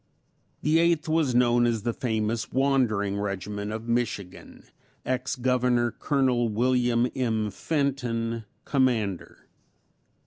The Eighth was known as the famous "wandering" regiment of Michigan ex Governor Col. William M. Fenton, Commander.